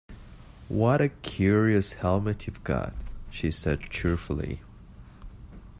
‘What a curious helmet you’ve got!’ she said cheerfully.